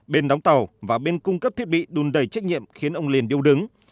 bên đóng tàu và bên cung cấp thiết bị đun đầy trách nhiệm khiến ông liền điêu đứng